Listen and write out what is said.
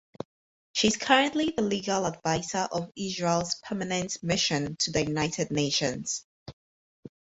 She is currently the Legal Advisor of Israel’s Permanent Mission to the United Nations.